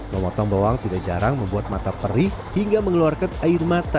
memotong bawang tidak jarang membuat mata perih hingga mengeluarkan air mata